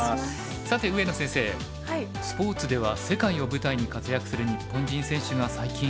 さて上野先生スポーツでは世界を舞台に活躍する日本人選手が最近増えてきましたよね。